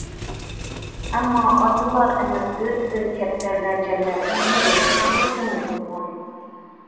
ئەمما ئاتىلار ئەمەس بىر پۈتۈن كەپتەرلەر جەمەتىنىڭمۇ روھى ئاللىبۇرۇن يوقالغان.